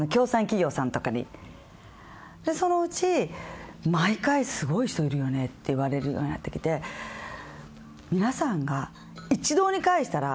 企業さんとかにそのうち「毎回すごい人いるよね」って言われるようになってきて「みなさんが一堂に会したら」